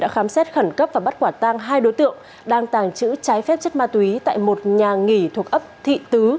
khẩn cấp và bắt quả tang hai đối tượng đang tàn chữ trái phép chất ma túy tại một nhà nghỉ thuộc ấp thị tứ